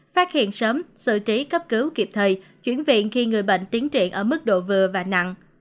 phát hiện sớm xử trí cấp cứu kịp thời chuyển viện khi người bệnh tiến trị ở mức độ vừa và nặng